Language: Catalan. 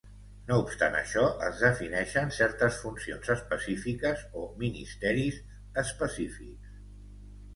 No obstant això, es defineixen certes funcions específiques o "ministeris específics".